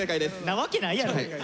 なわけないやろ。